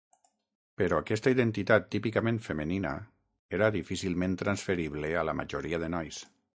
Però aquesta identitat típicament femenina era difícilment transferible a la majoria de nois.